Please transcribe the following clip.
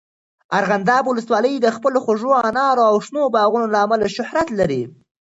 ارغنداب ولسوالۍ د خپلو خوږو انارو او شنو باغونو له امله شهرت لري.